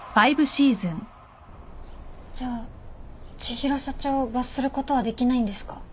じゃあ千尋社長を罰することはできないんですか？